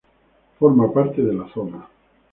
Forma parte de La Zona.